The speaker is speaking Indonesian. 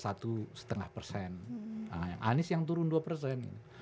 anies yang turun dua